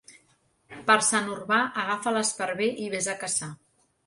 Per Sant Urbà agafa l'esparver i ves a caçar.